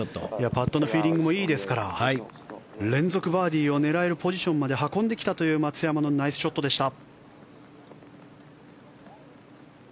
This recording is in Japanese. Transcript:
パットのフィーリングもいいですから連続バーディーを狙えるポジションまで運んできたという松山のナイスショットでした。